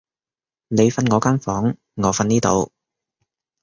你瞓我間房，我瞓呢度